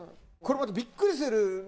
これまたびっくりする。